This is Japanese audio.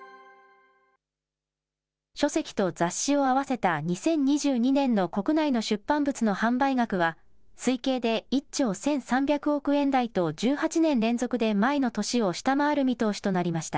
書籍と雑誌を合わせた２０２２年の国内の出版物の販売額は、推計で１兆１３００億円台と、１８年連続で前の年を下回る見通しとなりました。